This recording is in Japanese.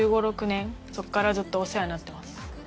そこからずっとお世話になってます。